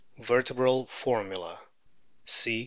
Vertebral formula : C.